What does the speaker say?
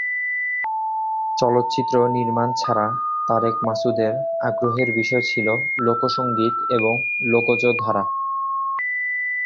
চলচ্চিত্র নির্মাণ ছাড়া তারেক মাসুদের আগ্রহের বিষয় ছিল লোকসঙ্গীত এবং লোকজ ধারা।